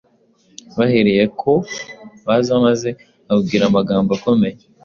Bahereye ko baza maze ababwira amagambo akomeye,